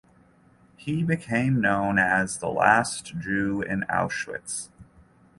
He became known as "The Last Jew in Auschwitz".